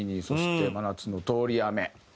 そして『真夏の通り雨』。